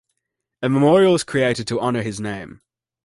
A memorial was created to honor his name.